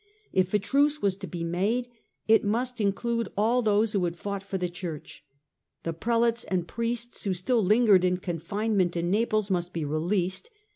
If a truce was to be made, it must include all those who had fought for the Church. The prelates and priests who still lingered in confinement in Naples must be released.